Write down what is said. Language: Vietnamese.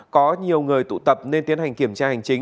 có nhiều người tụ tập nên tiến hành kiểm tra hành chính